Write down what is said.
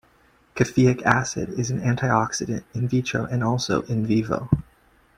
Caffeic acid is an antioxidant "in vitro" and also "in vivo".